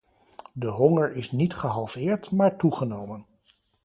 De honger is niet gehalveerd, maar toegenomen.